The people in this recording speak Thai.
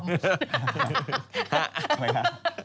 อะไรฮะ